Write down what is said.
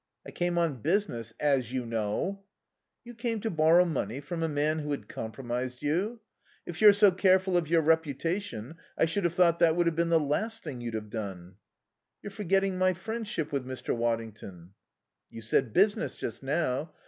"I came on business, as you know." "You came to borrow money from a man who had compromised you? If you're so careful of your reputation I should have thought that would have been the last thing you'd have done." "You're forgetting my friendship with Mr. Waddington." "You said business just now.